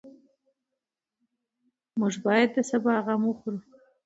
موږ باید د سبا غم وخورو.